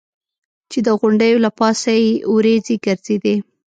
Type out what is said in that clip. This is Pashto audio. چې د غونډیو له پاسه یې ورېځې ګرځېدې.